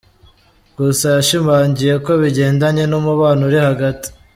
gusa yashimangiye ko bigendanye n’umubano uri hagati.